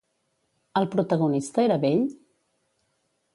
El protagonista era vell?